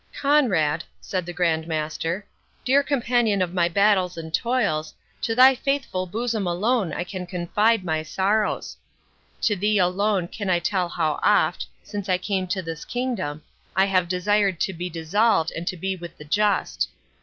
"Conrade," said the Grand Master, "dear companion of my battles and my toils, to thy faithful bosom alone I can confide my sorrows. To thee alone can I tell how oft, since I came to this kingdom, I have desired to be dissolved and to be with the just.